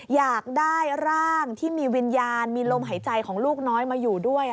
อยากได้ร่างที่มีวิญญาณมีลมหายใจของลูกน้อยมาอยู่ด้วย